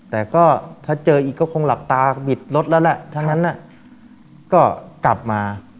แต่ก็ถ้าเจออีกก็คงหลับตาบิดรถแล้วแหละทั้งนั้นก็กลับมา